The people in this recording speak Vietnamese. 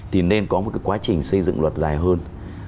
thì nên có một cái quá trình xây dựng luật dài hơn